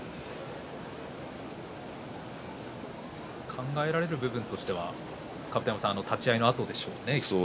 考えられることは立ち合いのあとでしょうかね。